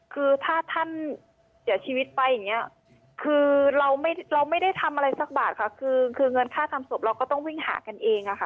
คือถ้าท่านเสียชีวิตไปอย่างนี้คือเราไม่ได้ทำอะไรสักบาทค่ะคือเงินค่าทำศพเราก็ต้องวิ่งหากันเองอะค่ะ